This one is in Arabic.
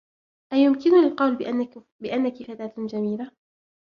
أيمكنني القول بأنّك فتاة جميلة؟